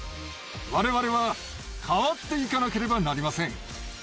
われわれは変わっていかなければなりません。